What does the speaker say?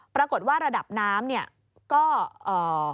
ปรากฏว่าระดับน้ำก็